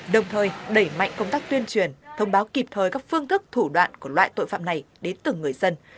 đồng thời đẩy mạnh công tác tuyên truyền thông báo kịp thời các phương thức thủ đoạn của loại tội phạm này đến từng người dân